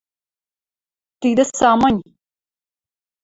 Тидӹ самынь.